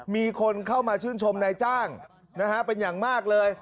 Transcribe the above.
มีคนเข้ามาชื่นชมนายจ้างเป็นอย่างมากเลย